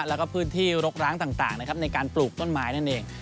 แล้วก็พื้นที่รกร้างต่างนะครับในการปลูกต้นไม้นั่นเอง